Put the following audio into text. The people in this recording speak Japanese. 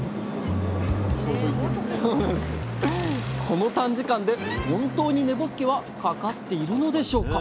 この短時間で本当に根ぼっけはかかっているのでしょうか